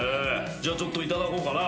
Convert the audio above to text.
じゃちょっといただこうかな。